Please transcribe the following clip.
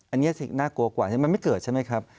อันนี้สิ่งน่ากลัวกว่ามันไม่เกิดใช่ไหมครับ